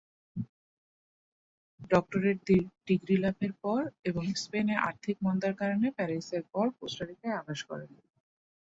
Doctorate degree লাভের পর এবং স্পেনে আর্থিক মন্দার কারণে প্যারিসের পর কোস্টারিকায় আবাস গড়েন।